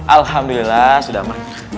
alhamdulillah sudah aman